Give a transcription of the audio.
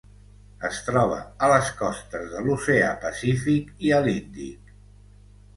Es troba a les costes de l'Oceà Pacífic i a l'Índic.